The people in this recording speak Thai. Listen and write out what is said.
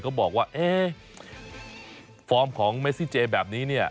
เขาบอกว่าเอ๊ะฟอร์มของเมซิเจแบบนี้เนี่ย